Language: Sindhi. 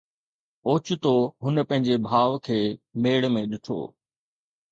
اوچتو هن پنهنجي ڀاءُ کي ميڙ ۾ ڏٺو